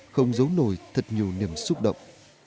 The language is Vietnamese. không giấu nổi thật nhiều niềm xúc động